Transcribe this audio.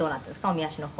おみ足の方は」